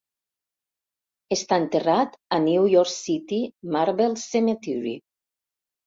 Està enterrat a New York City Marble Cemetery.